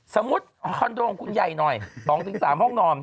คอนโดของคุณใหญ่หน่อย๒๓ห้องนอน